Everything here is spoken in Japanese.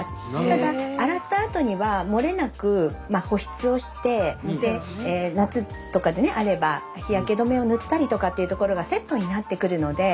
ただ洗ったあとには漏れなく保湿をして夏とかであれば日焼け止めを塗ったりとかというところがセットになってくるので。